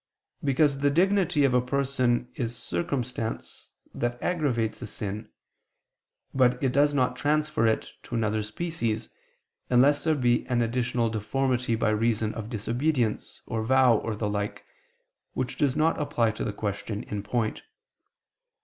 Because the dignity of a person is circumstance that aggravates a sin, but it does not transfer it to another species, unless there be an additional deformity by reason of disobedience, or vow or the like, which does not apply to the question in point.